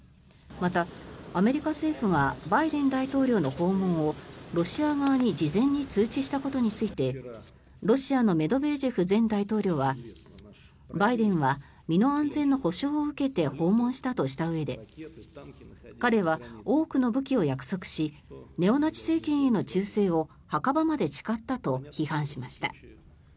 また、アメリカ政府がバイデン大統領の訪問をロシア側に事前に通知したことについてロシアのメドベージェフ前大統領はバイデンは身の安全の保証を受けて訪問したとしたうえで彼は多くの武器を約束しネオナチ政権への忠誠を墓場まで誓ったと批判しました。